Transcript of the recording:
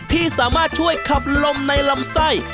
ที่สามารถช่วยขับลมในลำไส้